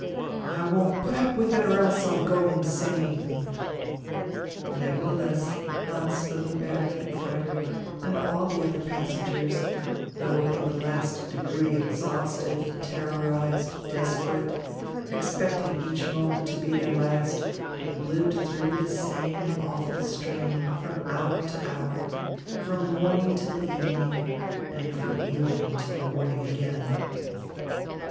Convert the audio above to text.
"I won't put up with it, or else I'll go insane." Nevertheless, Hans Füllenberg and Frederick and all the other passengers, though in the last degree exhausted, terrorized, desperate, expecting each moment to be their last, lived through the same awful strain, from hour to hour, from morning till evening, and from evening till morning again.